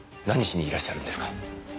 何しにいらっしゃるんですか？